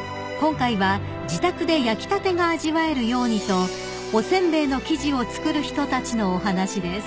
［今回は自宅で焼きたてが味わえるようにとお煎餅の生地を作る人たちのお話です］